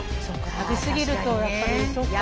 食べ過ぎるとやっぱりそっか。